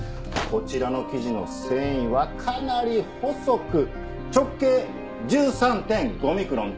こちらの生地の繊維はかなり細く直径１３．５ミクロン。